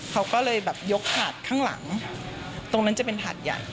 เขาก็เลยแบบยกหาดข้างหลังตรงนั้นจะเป็นหาดใหญ่